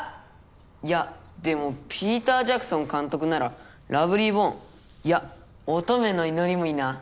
いやでもピーター・ジャクソン監督なら『ラブリーボーン』いや『乙女の祈り』もいいな。